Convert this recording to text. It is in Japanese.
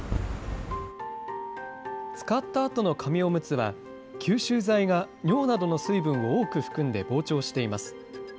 使ったあとの紙おむつは、吸収材が尿などの水分を多く含んで膨張しています。